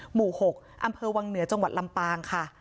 หมู่๖อำเภอวังเหนือจังหวัดลำปางค่ะ